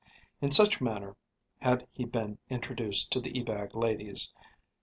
In such manner had he been introduced to the Ebag ladies.